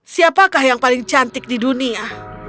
siapakah yang paling cantik di dunia